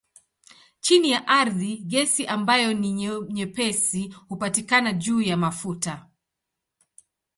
Chini ya ardhi gesi ambayo ni nyepesi hupatikana juu ya mafuta.